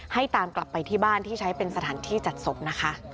ตามกลับไปที่บ้านที่ใช้เป็นสถานที่จัดศพนะคะ